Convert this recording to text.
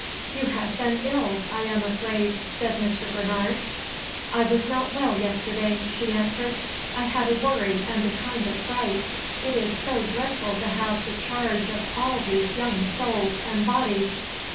"You have been ill, I am afraid," said Mr. Bernard. "I was not well yesterday," she, answered. "I had a worry and a kind of fright. It is so dreadful to have the charge of all these young souls and bodies.